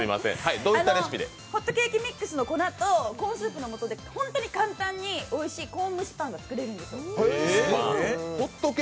ホットケーキミックスの粉とコーンスープの素でホントに簡単においしいコーン蒸しパンが作れるんですよ。